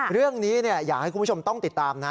เรื่องนี้อยากให้คุณผู้ชมต้องติดตามนะ